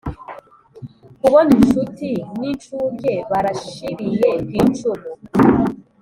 Kubon inshuti n'incuke barashiriye kw'icumu